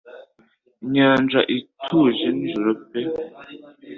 Inyanja ituje nijoro pe